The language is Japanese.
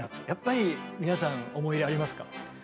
やっぱり皆さん思い入れありますか？